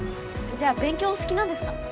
じゃあ勉強お好きなんですか？